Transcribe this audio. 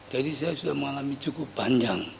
jadi saya sudah mengalami cukup panjang